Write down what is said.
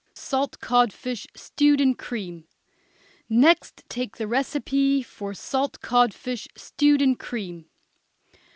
SALT CODFISH, STEWED IN CREAM. Next take the recipe for salt codfish, stewed in cream.